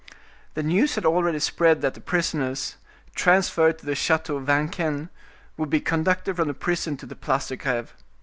The news had already spread that the prisoners, transferred to the Chateau of Vincennes, would be conducted from that prison to the Place de Greve.